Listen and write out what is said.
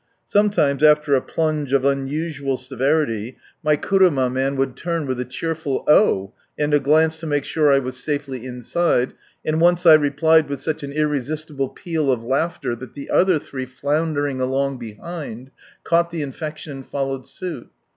Sometimes after a plunge of un usual severity, my knruma man would turn with a cheerful " Oh !" and a glance to make sure I was safely inside, and once I replied with such an irresistible peal of laughter, that the other three floundering along behind, caught the infection, and followed suit.